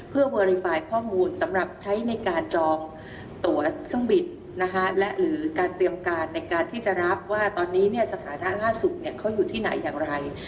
เพื่อเวอร์รีไฟล์ข้อมูลสำหรับใช้ในการจองตัวเครื่องบินนะคะและหรือการเตรียมการในการที่จะรับว่าตอนนี้เนี่ยสถานะล่าสุดเขาอยู่ที่ไหนอย่างไร